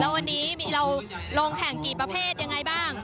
แล้ววันนี้เราลงแข่งกี่ประเภทยังไงบ้าง